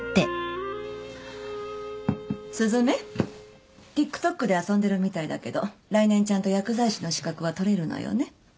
雀ＴｉｋＴｏｋで遊んでるみたいだけど来年ちゃんと薬剤師の資格は取れるのよね？